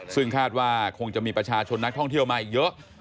ซึ่งคาดว่าคงจะมีประชาชนนักท่องเที่ยวมาอีกเยอะ